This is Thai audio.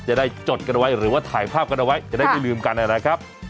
จดกันไว้หรือว่าถ่ายภาพกันเอาไว้จะได้ไม่ลืมกันนะครับ